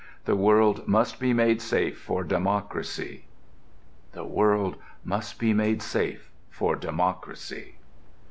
The world must be made safe for democracy." The world must be made safe for democracy!